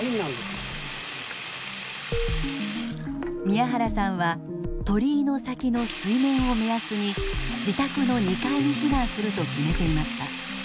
宮原さんは鳥居の先の水面を目安に自宅の２階に避難すると決めていました。